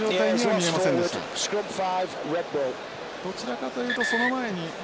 どちらかというとその前に。